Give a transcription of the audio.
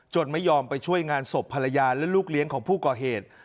ไม่ยอมไปช่วยงานศพภรรยาและลูกเลี้ยงของผู้ก่อเหตุ